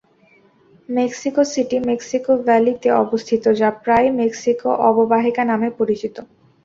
Mexico City Mexico ভ্যালিতে অবস্থিত, যা প্রায়ই মেক্সিকো অববাহিকা নামে পরিচিত।